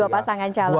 dua pasangan calon ya